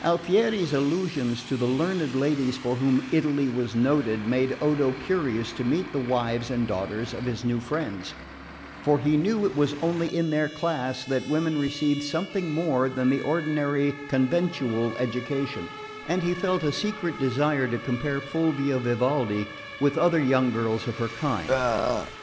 Alfieri's allusions to the learned ladies for whom Italy was noted made Odo curious to meet the wives and daughters of his new friends; for he knew it was only in their class that women received something more than the ordinary conventual education; and he felt a secret desire to compare Fulvia Vivaldi with other young girls of her kind.